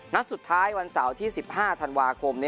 นัดสุดท้ายวันเสาร์ที่๑๕ธันวาคม